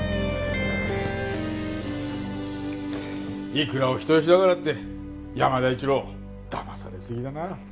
いくらお人よしだからって山田一郎騙されすぎだな。